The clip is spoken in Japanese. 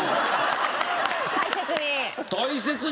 大切に。